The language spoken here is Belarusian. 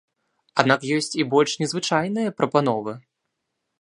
Аднак ёсць і больш незвычайныя прапановы.